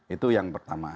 itu yang pertama